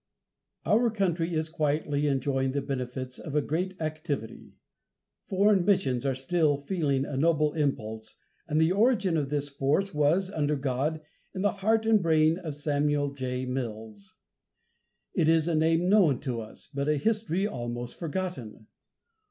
Our country is quietly enjoying the benefits of a great activity. Foreign Missions are still feeling a noble impulse, and the origin of this force was, under God, in the heart and brain of Samuel J. Mills. It is a name known to us, but a history almost forgotten.